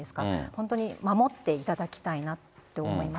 本当に守っていただきたいなって